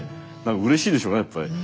うれしいでしょうねやっぱり。